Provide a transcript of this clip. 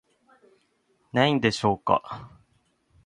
何でしょうか